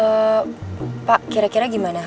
pak kira kira gimana